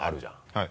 はい。